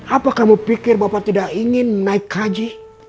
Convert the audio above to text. apa kamu pikir bapak tidak ingin naik haji